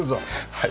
はい。